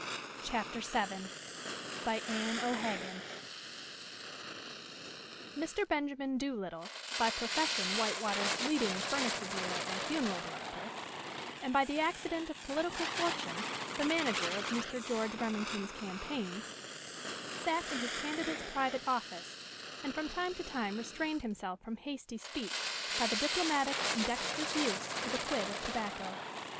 CHAPTER VII. BY ANNE O'HAGAN Mr. Benjamin Doolittle, by profession White water's leading furniture dealer and funeral director, and by the accident of political fortune the manager of Mr. George Remington's campaign, sat in his candidate's private office, and from time to time restrained himself from hasty speech by the diplomatic and dexterous use of a quid of tobacco.